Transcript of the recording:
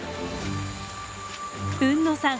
海野さん